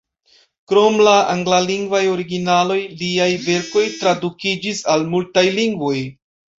Krom la anglalingvaj originaloj, liaj verkoj tradukiĝis al multaj lingvoj.